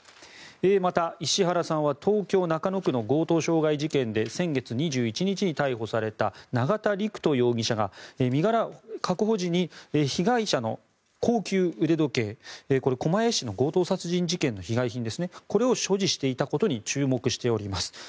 また、石原さんは東京・中野区の強盗傷害事件で先月２１日に逮捕された永田陸人容疑者が身柄確保時に被害者の高級腕時計狛江市の強盗殺人事件の被害品ですねこれを所持していたことに注目しております。